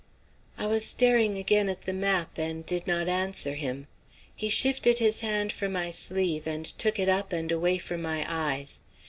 I was staring again at the map, and did not answer him. He shifted his hand from my sleeve and took it up and away from my eyes.